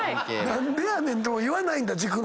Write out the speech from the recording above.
何でやねん⁉とも言わないんだ？